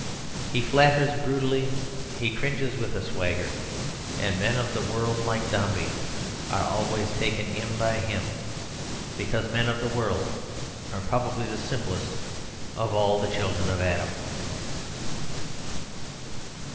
He flatters brutally. He cringes with a swagger. And men of the world like Dombey are always taken in by him, because men of the world are probably the simplest of all the children of Adam.